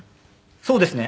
そうですね。